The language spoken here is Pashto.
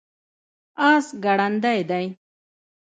اس ګړندی دی